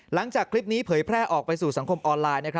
หลังจากคลิปนี้เผยแพร่ออกไปสู่สังคมออนไลน์